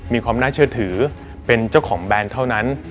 มีความน่าเชื่อถือเป็นเจ้าของแบรนด์เท่านั้น